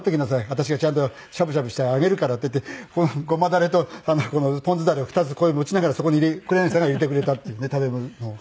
「私がちゃんとしゃぶしゃぶしてあげるから」って言ってゴマダレとポン酢ダレを２つこういうふうに持ちながらそこに黒柳さんが入れてくれたっていうね食べ物を。